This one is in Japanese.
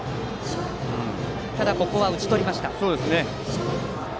ただ、ここは打ち取りました。